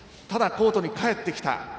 ただコートに帰ってきた。